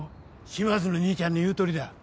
島津の兄ちゃんの言うとおりだ。